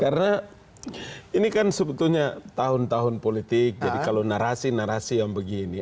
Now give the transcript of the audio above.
karena ini kan sebetulnya tahun tahun politik jadi kalau narasi narasi yang begini